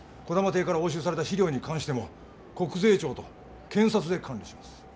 児玉邸から押収された資料に関しても国税庁と検察で管理します。